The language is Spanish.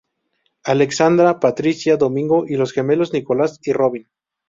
Alexandra, Patricia, Domingo y los gemelos Nicolás y Robin.